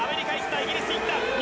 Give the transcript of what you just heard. イギリス行った。